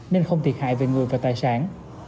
nên không thiệt hại về người và tài sản